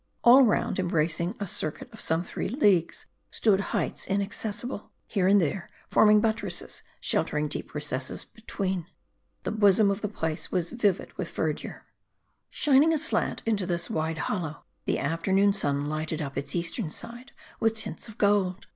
All round, em bracing a circuit of some three leagues, stood heights inac cessible, here and there, forming buttresses, sheltering deep recesses between. The bosom of the place was vivid with verdure. Shining aslant into this wild hollow, the afternoon sun lighted up its eastern side with tints of gold.